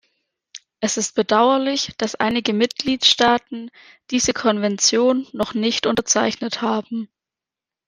Es ist bedauerlich, dass einige Mitgliedstaaten diese Konvention noch nicht unterzeichnet haben.